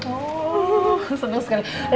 oh seneng sekali